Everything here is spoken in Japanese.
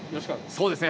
そうですね